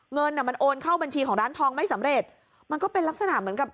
เงินอ่ะมันโอนเข้าบัญชีของร้านทองไม่สำเร็จมันก็เป็นลักษณะเหมือนกับ